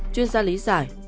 chuyên gia lý giải